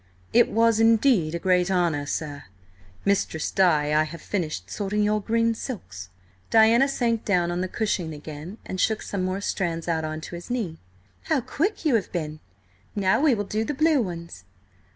"It was indeed a great honour, sir. Mistress Di, I have finished sorting your green silks." Diana sank down on the cushion again, and shook some more strands out on to his knee. "How quick you have been! Now we will do the blue ones."